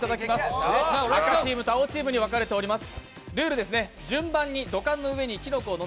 青チームと赤チームに分かれております。